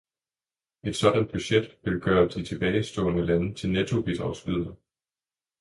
Et sådant budget vil gøre de tilbagestående lande til nettobidragydere.